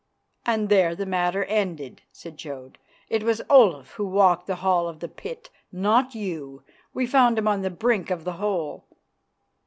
"And there the matter ended," said Jodd. "It was Olaf who walked the Hall of the Pit, not you. We found him on the brink of the hole."